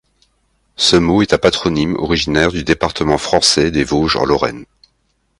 Ce mot est un patronyme originaire du département français des Vosges en Lorraine.